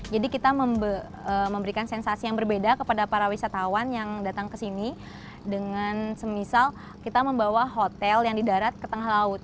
jadi kita memberikan sensasi yang berbeda kepada para wisatawan yang datang ke sini dengan semisal kita membawa hotel yang di darat ke tengah laut